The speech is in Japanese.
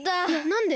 なんで？